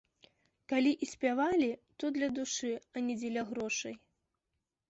Калі і спявалі, то для душы, а не дзеля грошай.